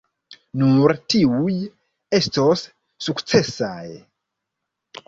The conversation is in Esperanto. Nur tiuj estos sukcesaj.